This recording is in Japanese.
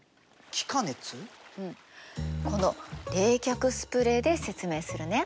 うんこの冷却スプレーで説明するね。